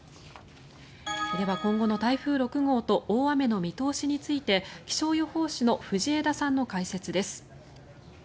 では、今後の台風６号と大雨の見通しについて気象予報士の藤枝さんの解説です。